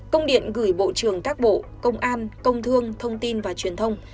công điện gửi bộ trưởng các bộ công an công thương thông tin và truyền thông